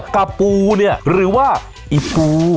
ปูเนี่ยหรือว่าอีฟู